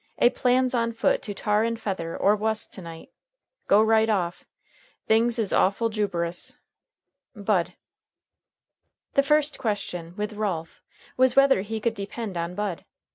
A plans on foot to tar an fether or wuss to night. Go rite off. Things is awful juberous. "BUD." The first question with Ralph was whether he could depend on Bud.